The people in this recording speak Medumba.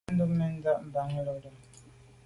A tù’ mèn nda’nda’ mban lo.